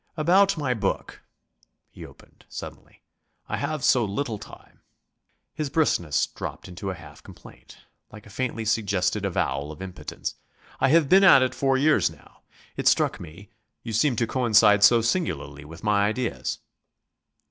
"About my book," he opened suddenly, "I have so little time." His briskness dropped into a half complaint, like a faintly suggested avowal of impotence. "I have been at it four years now. It struck me you seemed to coincide so singularly with my ideas."